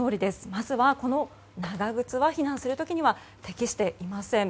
まずは長靴は避難する時には適していません。